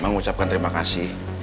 mengucapkan terima kasih